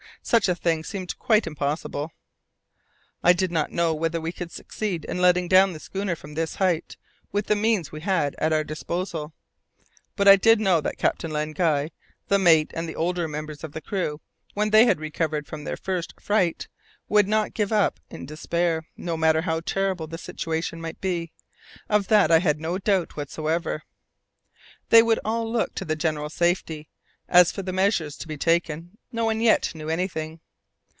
such a thing seemed quite impossible. I did not know whether we could succeed in letting down the schooner from this height with the means we had at our disposal. But I did know that Captain Len Guy, the mate and the older members of the crew, when they had recovered from their first fright, would not give up in despair, no matter how terrible the situation might be; of that I had no doubt whatsoever! They would all look to the general safety; as for the measures to be taken, no one yet knew anything.